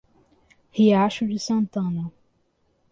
Riacho de Santana